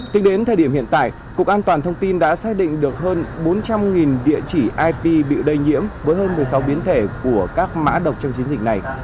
tính đến thời điểm hiện tại cục an toàn thông tin đã xác định được hơn bốn trăm linh địa chỉ ip bị lây nhiễm với hơn một mươi sáu biến thể của các mã độc trong chiến dịch này